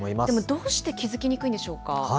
どうして気づきにくいんでしょうか。